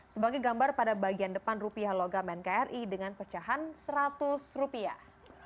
sebagai gambar pada bagian depan rupiah logam nkri dengan pecahan seratus rupiah